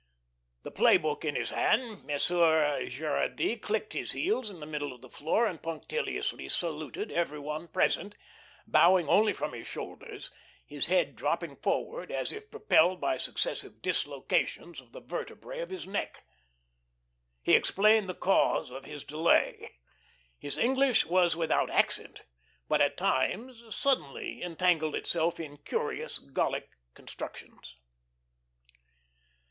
The play book in his hand, Monsieur Gerardy clicked his heels in the middle of the floor and punctiliously saluted everyone present, bowing only from his shoulders, his head dropping forward as if propelled by successive dislocations of the vertebrae of his neck. He explained the cause of his delay. His English was without accent, but at times suddenly entangled itself in curious Gallic constructions.